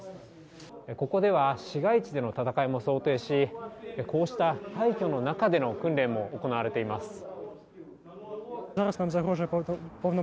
ここでは市街地での戦いも想定し、こうした廃虚の中での訓練も行われています。